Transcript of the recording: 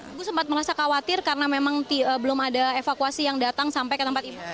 ibu sempat merasa khawatir karena memang belum ada evakuasi yang datang sampai ke tempat ibu